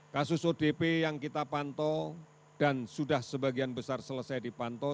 kasus odp yang kita pantau dan sudah sebagian besar selesai dipantau